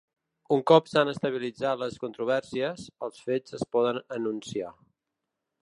Un cop s'han estabilitzat les controvèrsies, els fets es poden enunciar.